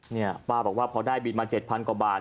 เนี่ยป้าบอกว่าพอได้บินมา๗๐๐กว่าบาท